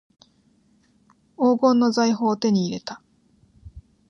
黄金の財宝を手に入れた